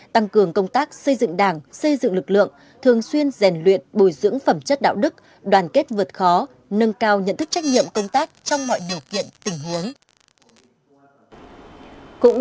tăng cường công tác xây dựng đảng xây dựng lực lượng thường xuyên rèn luyện bồi dưỡng phẩm chất đạo đức đoàn kết vượt khó nâng cao nhận thức trách nhiệm công tác trong mọi điều kiện tình huống